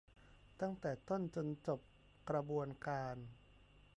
ตั้งแต่ต้นจนจบกระบวนการ